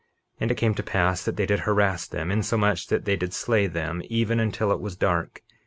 51:32 And it came to pass that they did harass them, insomuch that they did slay them even until it was dark.